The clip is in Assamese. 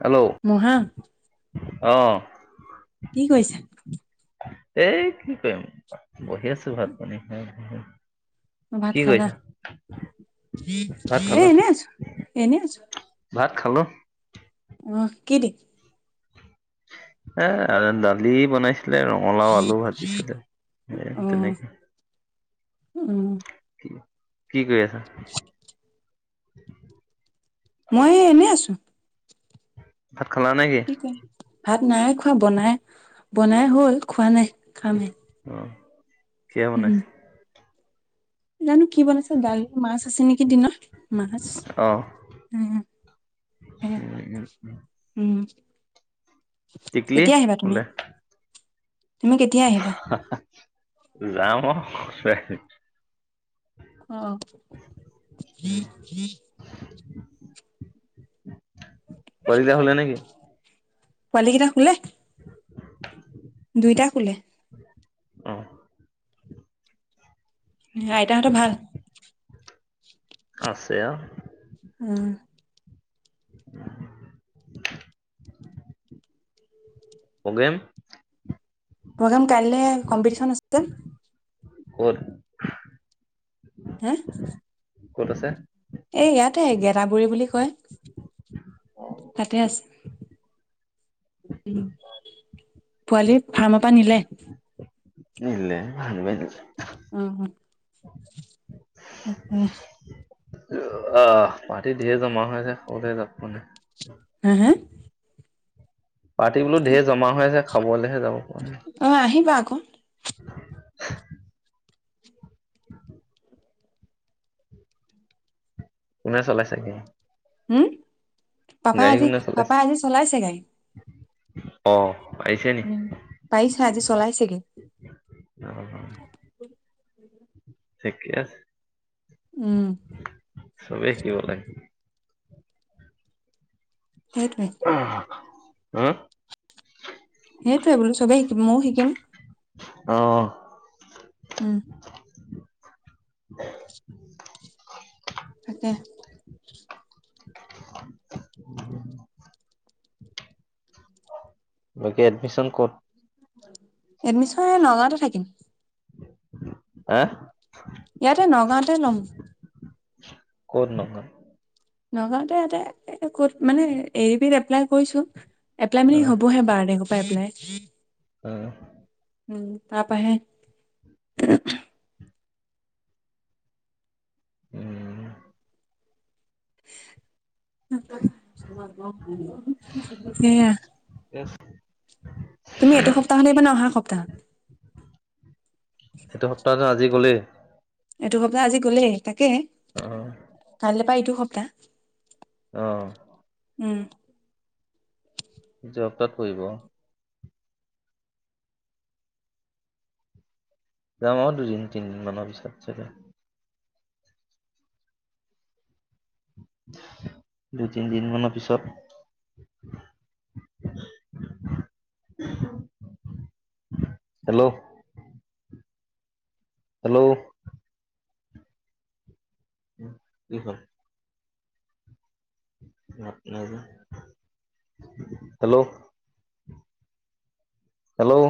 হেল্ল' মহা [inaudible] অঁ কি কৰিছা? এই কি কৰিম বহি আছো ভাত পানী খাই [unintelligible] ভাত কি খালা, কৰিছা এ ভাত খালো এনে আছো, এনে আছো ভাত খালো অঁ কি দি এ আৰু দালি বনাইছে আছিলে ৰঙালাও আলু ভাজিছিলে সেয়াই অ' তেনেকে উম কি কি কৰি আছা মই এনে আছো ভাত খালা নেকি কি কৰিম? ভাত নাই খোৱা বনাই বনাই হ'ল খোৱা নাই খামহে। অ কিয় বনাইছে নান [unintelligible] কি বনাইছে দালি মাছ আছে নেকি সেইদিনা মাছ অ উম এয়া উম উম টিকলি কেতিয়া আহিবা তুমি বোলে তুমি কেতিয়া আহিবা? যাম অ [unintelligible] আহ কলিজা শুলে নেকি পোৱালী কেইটা শুলে [inaudible] দুইটা শুলে আহ আইতাহঁতৰ ‌ভাল আছে অ উম প্ৰগ্ৰেম প্ৰগ্ৰেম কাইলে কম্পিটিশন আছিলে ক'ত হা ক'ত আছে এই ইয়াতে গেদাবু়ৰি বুলি কয় তাতে আছে পোৱালী ফাৰ্মৰ পৰা নিলে [unintelligible] আহ তে [inaudible] আহ পাৰ্টি দিয়ে জমা হৈ হৈছে মইহে যাব পৰা নাই হা হা পাৰ্টি বোলো ঢেৰ জমা হৈ আছে খাবলৈহে যাব পৰা নাই ক' কোনে চলাই চাগে হম পাপাই আজি পাপা চলাইছে আজি চলাইছে গাড়ী অ আহিছে নি উম পাৰিছা আজি চলাইছেগে অ ঠিকে আছে উম চবেই শিকিব লাগে সেইটোৱে হ হেই টোয়ে বোলো চবেই শিকিম ময়ও শিকিম আহ উম অ তাকে ত বাকী এডমিশন ক'ত এডমিশন নগাঁওতে থাকিম আহ ইয়াতে নগাঁওঁতে লম ক'ত নো নগাঁওতে ইয়াতে ক'ত মানে এ দি পি ত এপ্লাই কৰিছো এপ্লাই অ মি হ'ব হে বাৰতাৰিখৰ পৰা এপলাই কি হয় উম তাপাহে উম ই এয়া তুমি এইটো সপ্তাহত আহিবানে অহা সপ্তাহত ক'লে এইটো সপ্তাহ আজি গলেই তাকে আহ কালি পা এইটো সপ্তাহ আহ উম জব তাত কৰিব যামও দুদিন তিনদিন মানৰ পিছত চাগে দুই তিন দিন মানৰ পিছত হেল্ল' হেল্ল' কি হ'ল হেল্ল' হেল্ল'